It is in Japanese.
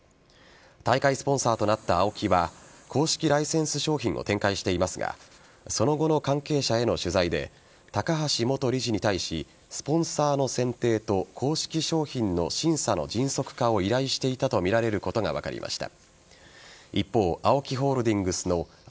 大会スポンサーとなったＡＯＫＩは公式ライセンス商品を展開していますがその後の関係者への取材で高橋元理事に対しスポンサーの選定と公式商品の審査の迅速化を依頼していたとみられることが分かりました。